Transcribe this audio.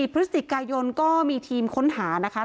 พฤศจิกายนก็มีทีมค้นหานะคะ